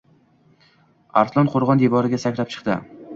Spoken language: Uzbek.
Arslon qo‘rg‘on devoriga sakrab chiqdi.